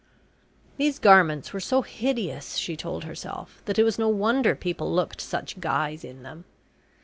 These garments were so hideous, she told herself, that it was no wonder people looked such guys in them.